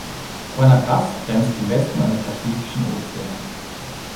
Guanacaste grenzt im Westen an den Pazifischen Ozean.